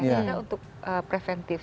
sebenarnya untuk preventif